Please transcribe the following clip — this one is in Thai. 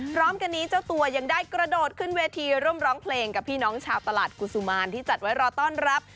พร้อมกันนี้เจ้าตัวยังได้กระโดดขึ้นเวทีร่วมร้องเพลงกับพี่น้องชาวตลาดกุศุมารที่จัดไว้รอต้อนรับ